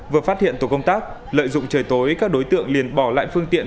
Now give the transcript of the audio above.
vừa phát hiện tổ công tác lợi dụng trời tối các đối tượng liền bỏ lại phương tiện